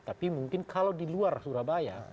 tapi mungkin kalau di luar surabaya